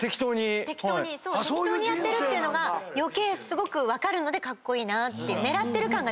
⁉適当にやってるのが余計分かるのでカッコイイなって。